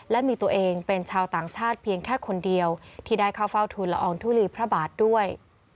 และมีตัวเองเป็นชาวต่างชาติเพียงแค่คนเดียวที่ได้เข้าเฝ้าทุนละอองทุลีพระบาทด้วย